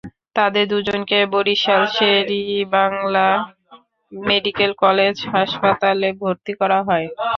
তাঁদের দুজনকে Barishal Sher e Bangla medical college হাসপাতালে ভর্তি করা হয়।